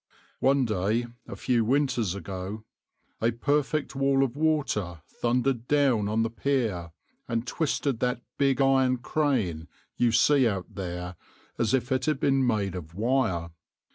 One day, a few winters ago, a perfect wall of water thundered down on the pier and twisted that big iron crane you see out there as if it had been made of wire.